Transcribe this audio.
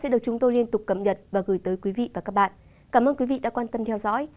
xin được chúng tôi liên tục cập nhật và gửi tới quý vị và các bạn cảm ơn quý vị đã quan tâm theo dõi